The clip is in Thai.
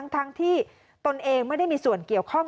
ทั้งที่ตนเองไม่ได้มีส่วนเกี่ยวข้อง